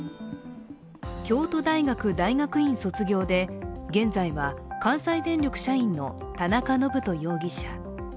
京都大学大学院卒業で、現在は関西電力社員の田中信人容疑者。